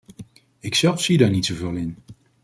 Ikzelf zie daar niet zoveel in.